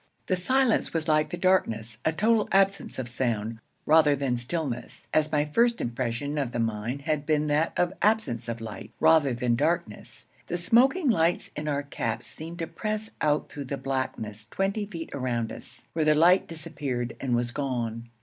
The silence was like the darkness a total absence of sound, rather than stillness, as my first impression of the mine had been that of an absence of light, rather than of darkness. The smoking lights in our caps seemed to press out through the blackness twenty feet around us, where the light disappeared and was gone.